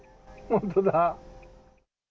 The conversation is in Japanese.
本当だ。